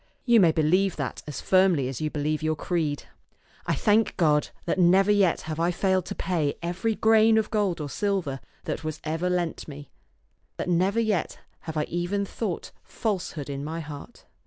You may believe that as firmly as you believe your creed. I thank God that never yet have I failed to pay every grain of gold or silver that was ever lent me, that never yet have I even thought false hood in my heart.